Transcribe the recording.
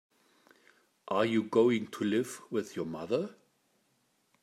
Are you going to live with your mother?